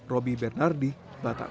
roby bernardi batang